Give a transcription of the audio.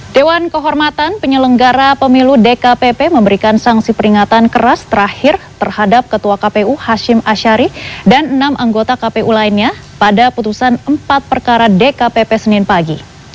dewan kehormatan penyelenggara pemilu dkpp memberikan sanksi peringatan keras terakhir terhadap ketua kpu hashim ashari dan enam anggota kpu lainnya pada putusan empat perkara dkpp senin pagi